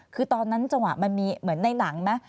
คือตอนนั้นจังหวะมันมีเหมือนในหนังไหม